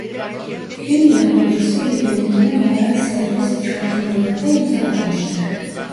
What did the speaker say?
Film yapımcısı ve yönetmen olarak serbest çalışmalara da imza atmıştır.